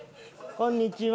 こんにちは。